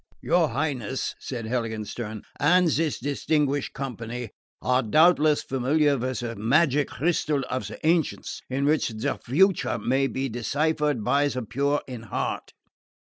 "Your Highness," said Heiligenstern, "and this distinguished company, are doubtless familiar with the magic crystal of the ancients, in which the future may be deciphered by the pure in heart.